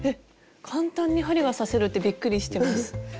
簡単に針が刺せるってびっくりしてます。